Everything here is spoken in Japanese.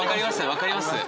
分かります！